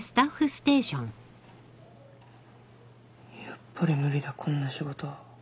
やっぱり無理だこんな仕事。